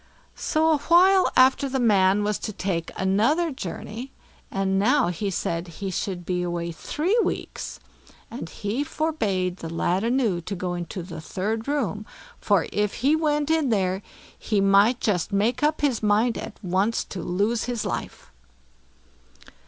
So a while after the man was to take another journey, and now he said he should be away three weeks, and he forbade the lad anew to go into the third room, for if he went in there he might just make up his mind at once to lose his life.